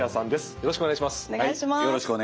よろしくお願いします。